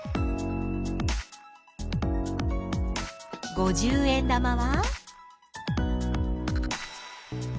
五十円玉は？